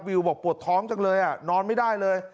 วิวบอกปวดท้องจังเลยนอนไม่ได้เลย